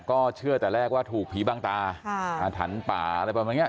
ก็เชื่อแต่แรกว่าถูกผีบางตาอาถรรพ์ป่าอะไรประมาณนี้